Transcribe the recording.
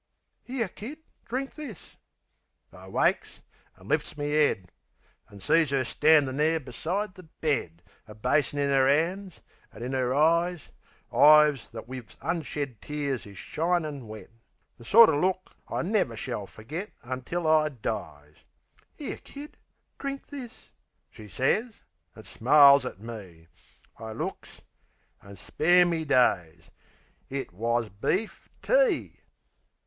"'Ere, Kid, drink this"...I wakes, an' lifts me 'ead, An' sees 'er standin' there beside the bed; A basin in 'er 'ands; an' in 'er eyes (Eyes that wiv unshed tears is shinin' wet) The sorter look I never shall ferget, Until I dies. "'Ere, Kid, drink this," she sez, an' smiles at me. I looks an' spare me days! It WAS BEEF TEA!